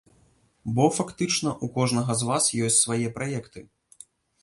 Бо, фактычна, у кожнага з вас ёсць свае праекты.